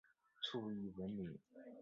卒谥文敏。